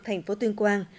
thành phố tuyên quang